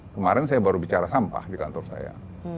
kemarin saya baru bicara sampah di kantor saya